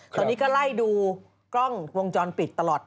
ตอนนี้ก็ไล่ดูกล้องวงจรปิดตลอด